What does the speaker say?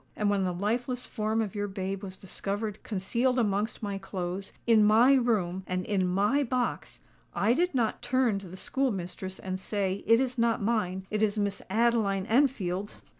And when the lifeless form of your babe was discovered concealed amongst my clothes—in my room—and in my box,—I did not turn to the school mistress and say, '_It is not mine: it is Miss Adeline Enfield's!